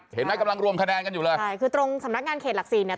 กำลังรวมคะแนนกันอยู่เลยใช่คือตรงสำนักงานเขตหลักสี่เนี่ย